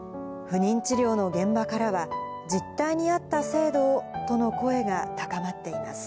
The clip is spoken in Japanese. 不妊治療の現場からは、実態に合った制度をとの声が高まっています。